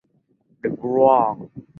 富尔贝克。